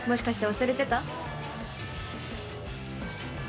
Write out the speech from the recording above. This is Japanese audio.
忘れてた。